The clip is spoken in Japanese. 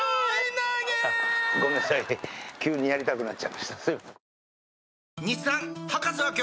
ごめんなさい急にやりたくなっちゃいました。